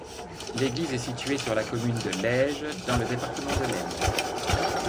L'église est située sur la commune de Lesges, dans le département de l'Aisne.